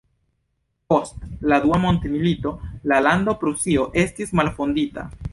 Post la Dua Mondmilito la lando Prusio estis malfondita.